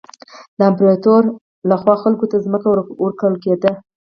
د امپراتور له خوا خلکو ته ځمکه ورکول کېده.